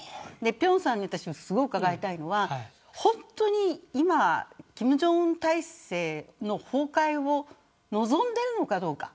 辺さんに伺いたいのは本当に金正恩体制の崩壊を望んでいるのかどうか。